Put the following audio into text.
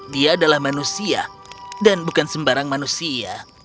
dia adalah manusia dan bukan sembarang manusia